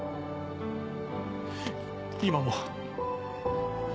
今も。